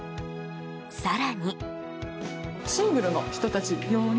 更に。